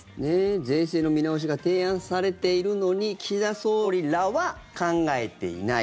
税制の見直しが提案されているのに岸田総理らは考えていない。